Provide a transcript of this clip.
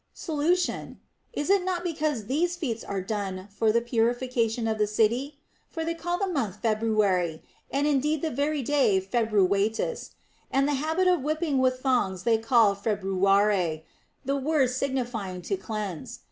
Solution. Is it not because these feats are done for the purification of the city ? For they call the month February, and indeed the very day Februatus, and the habit of whip ping with thongs they call februare, the word signifying ίο cleanse.